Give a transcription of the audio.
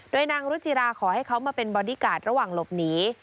โดยนางรุจิราขอให้เขามาเป็นบอดี้การ์ดระหว่างหลบหนี